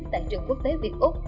tại trường quốc tế việt úc